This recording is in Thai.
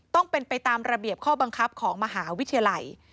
ต้องเป็นไปตามระเบียบข้อบังคับของมหาวิทยาลัย